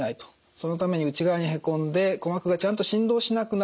そのために内側にへこんで鼓膜がちゃんと振動しなくなるんですね。